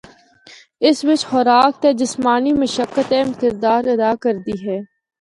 اس بچ خوراک تے جسمانی مشقت اہم کردار ادا کردی ہے۔